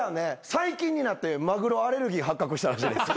最近になってマグロアレルギー発覚したらしいです。